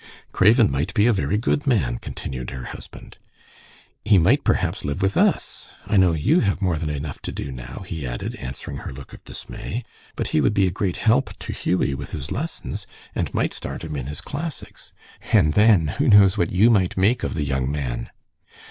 "Craven might be a very good man," continued her husband. "He might perhaps live with us. I know you have more than enough to do now," he added, answering her look of dismay, "but he would be a great help to Hughie with his lessons, and might start him in his classics. And then, who knows what you might make of the young man."